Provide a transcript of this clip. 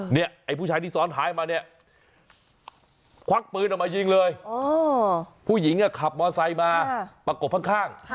ไอ้ผู้ชายที่ซ้อนท้ายมาเนี่ยควักปืนออกมายิงเลยผู้หญิงขับมอไซค์มาประกบข้าง